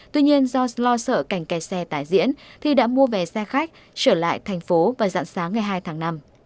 tuy nhiên do lo sợ cảnh kè xe tái diễn thi đã mua về xe khách trở lại thành phố và dặn sáng ngày hai tháng năm